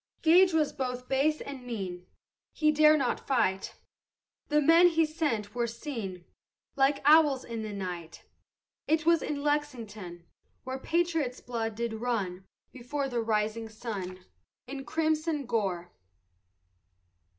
Gage was both base and mean, He dare not fight, The men he sent were seen Like owls in night: It was in Lexington Where patriots' blood did run Before the rising sun In crimson gore.